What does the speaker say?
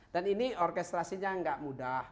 dan ini orkestrasinya enggak mudah